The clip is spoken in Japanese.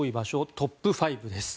トップ５です。